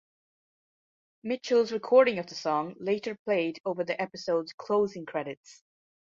Mitchell's recording of the song later played over the episode's closing credits.